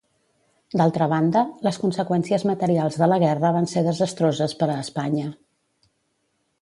D'altra banda, les conseqüències materials de la guerra van ser desastroses per a Espanya.